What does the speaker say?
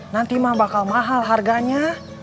nanti mah bakal mahal harganya